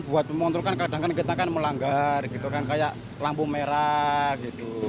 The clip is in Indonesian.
buat pemotor kan kadang kadang kita kan melanggar gitu kan kayak lampu merah gitu